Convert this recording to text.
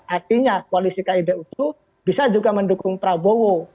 artinya koalisi kid ustu bisa juga mendukung prabowo